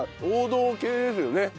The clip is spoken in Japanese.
王道系ですよね。